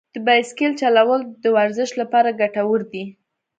د بایسکل چلول د ورزش لپاره ګټور دي.